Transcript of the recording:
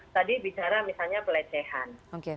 tadi bicara misalnya pelecehan